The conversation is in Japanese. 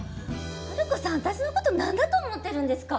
ハルコさんあたしのこと何だと思ってるんですか？